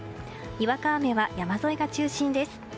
にわか雨は山沿いが中心です。